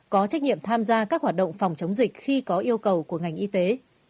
có trách nhiệm tham gia các hoạt động phòng chống dịch khi có yêu cầu của ngành y tế